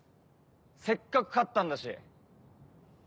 せっかく勝ったんだし。